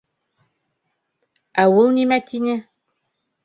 — Ә ул нимә тине?